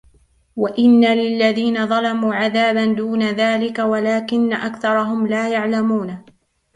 وإن للذين ظلموا عذابا دون ذلك ولكن أكثرهم لا يعلمون